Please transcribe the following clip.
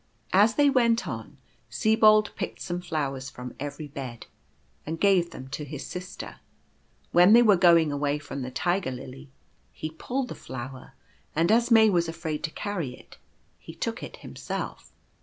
As they went on Sibold picked some flowers from every bed, and gave them to his sister ; when they were going away from the Tiger lily he pulled the flower, and as May was afraid to carry it, he took it himself.